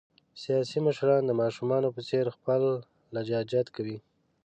سیاسي مشران د ماشومان په څېر خپل لجاجت کوي.